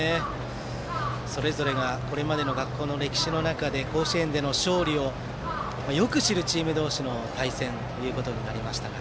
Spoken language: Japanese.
それぞれがこれまでの学校の歴史の中で甲子園での勝利をよく知るチーム同士の対戦となりました。